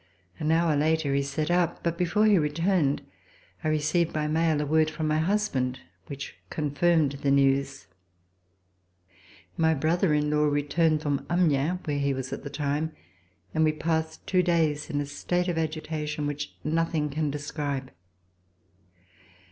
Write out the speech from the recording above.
An hour later he set out, but before he returned I received by mail a word from my husband which confirmed the news. My brother in law returned from Amiens, where he was at the time, and we passed two days in a state of agitation which nothing can describe.